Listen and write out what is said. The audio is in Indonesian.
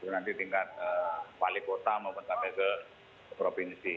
nanti tingkat wali kota maupun sampai ke provinsi